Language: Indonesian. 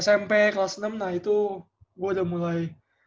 smp kelas enam nah itu gue udah mulai